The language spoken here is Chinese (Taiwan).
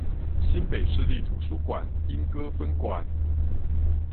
新北市立圖書館鶯歌分館